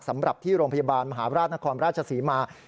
สำหรับที่โรงพยาบาลมหาราชนครราชศรีมา